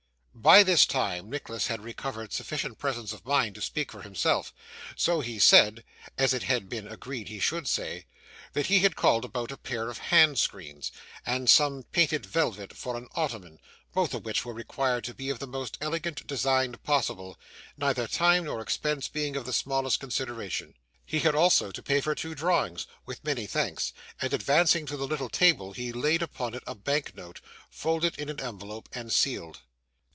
By this time Nicholas had recovered sufficient presence of mind to speak for himself, so he said (as it had been agreed he should say) that he had called about a pair of hand screens, and some painted velvet for an ottoman, both of which were required to be of the most elegant design possible, neither time nor expense being of the smallest consideration. He had also to pay for the two drawings, with many thanks, and, advancing to the little table, he laid upon it a bank note, folded in an envelope and sealed.